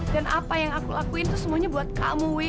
dan apa yang aku lakuin itu semuanya buat kamu wi